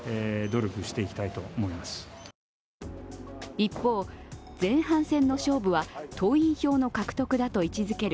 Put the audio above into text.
一方、前半戦の勝負は党員票の獲得だと位置づける